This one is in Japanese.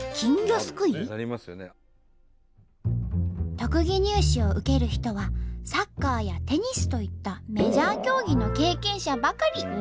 特技入試を受ける人はサッカーやテニスといったメジャー競技の経験者ばかり。